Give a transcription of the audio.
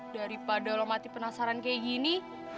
daripada lo mati penasaran kayak gini